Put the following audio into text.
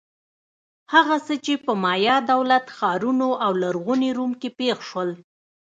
هغه څه چې په مایا دولت-ښارونو او لرغوني روم کې پېښ شول.